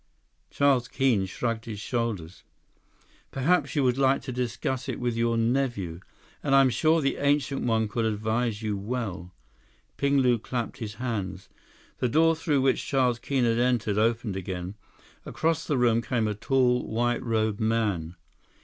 Charles Keene shrugged his shoulders. "Perhaps you would like to discuss it with your nephew. And I'm sure the Ancient One could advise you well." Ping Lu clapped his hands. The door through which Charles Keene had entered opened again. Across the room came a tall, white robed man.